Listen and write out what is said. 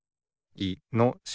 いのしし。